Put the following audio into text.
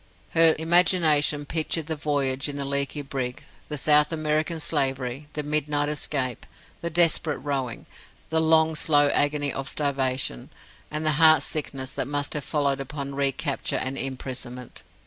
Her imagination pictured the voyage in the leaky brig, the South American slavery, the midnight escape, the desperate rowing, the long, slow agony of starvation, and the heart sickness that must have followed upon recapture and imprisonment.